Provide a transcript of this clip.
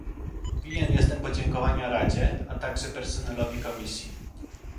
Winien jestem podziękowania Radzie, a także personelowi Komisji